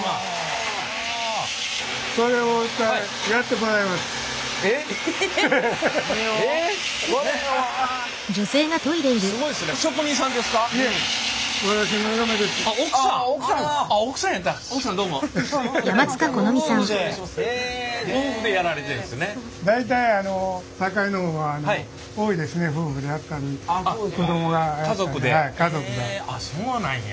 へえあっそうなんや。